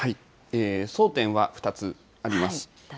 焦点は２つあります。